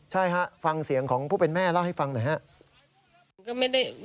ใช่ฮะฟังเสียงของผู้เป็นแม่เล่าให้ฟังหน่อยครับ